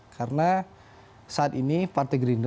karena saat ini partai gerindra